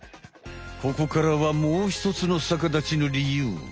ここからはもうひとつの逆立ちの理由。